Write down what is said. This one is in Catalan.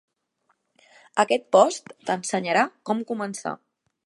Aquest post t'ensenyarà com començar.